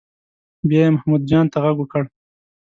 بیا یې محمود جان ته غږ وکړ.